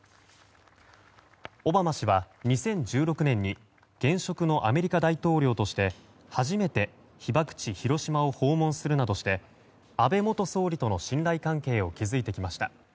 オバマ氏は２０１６年に現職のアメリカ大統領として初めて被爆地・広島を訪問するなどして安倍元総理との信頼関係を築いてきました。